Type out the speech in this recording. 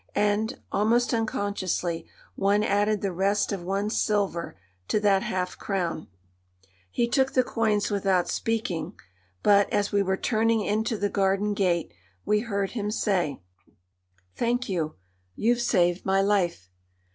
And, almost unconsciously, one added the rest of one's silver to that half crown. He took the coins without speaking; but, as we were turning into the garden gate, we heard him say: "Thank you; you've saved my life."